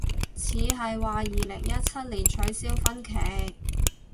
似係，話二零一七年取消婚期